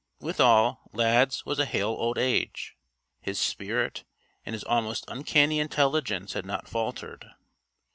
Withal, Lad's was a hale old age. His spirit and his almost uncanny intelligence had not faltered.